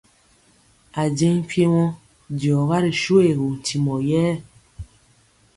Ajeŋg mpiemɔ diɔga ri shoégu ntimɔ yɛɛ.